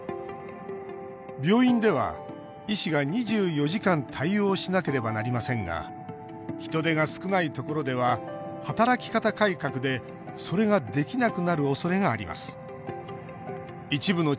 病院では、医師が２４時間対応しなければなりませんが人手が少ないところでは働き方改革で、それができなくなるおそれがあります。